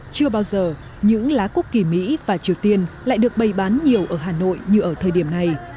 chưa bao giờ những lá quốc kỳ mỹ và triều tiên lại được bày bán nhiều ở hà nội như ở thời điểm này